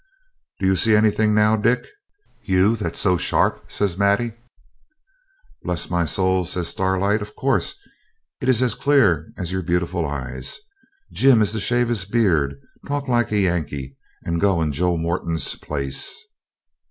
'Do you see anything now, Dick, you that's so sharp?' says Maddie. 'Bless my soul,' says Starlight, 'of course, it is as clear as your beautiful eyes. Jim is to shave his beard, talk like a Yankee, and go in Joe Moreton's place.